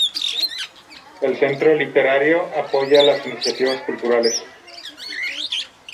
El Centro Literario apoya las iniciativas culturales.